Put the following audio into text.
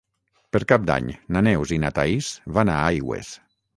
Per Cap d'Any na Neus i na Thaís van a Aigües.